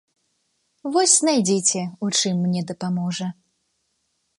Вось знайдзіце, у чым мне дапаможа.